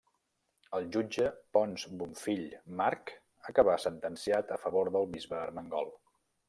El jutge Ponç Bonfill Marc acabà sentenciant a favor del bisbe Ermengol.